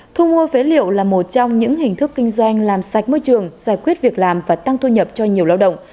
thu mua phế liệu là một trong những hình thức kinh doanh làm sạch môi trường giải quyết việc làm và tăng thu nhập cho nhiều lao động